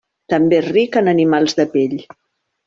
També és ric en animals de pell.